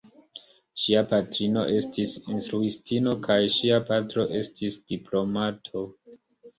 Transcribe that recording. Ŝia patrino estis instruistino kaj ŝia patro estis diplomato.